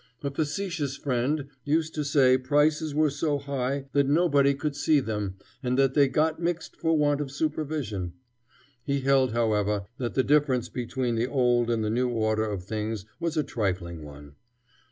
A facetious friend used to say prices were so high that nobody could see them, and that they "got mixed for want of supervision." He held, however, that the difference between the old and the new order of things was a trifling one.